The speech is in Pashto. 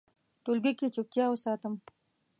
ټولګي کې چوپتیا وساتم.